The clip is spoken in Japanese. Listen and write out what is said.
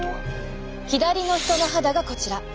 左の人の肌がこちら。